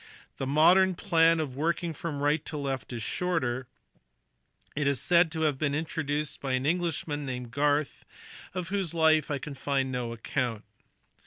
The modern plan of working from right to left is shorter : it is said to have been introduced by an Englishman named Garth, of whose life I can find no account.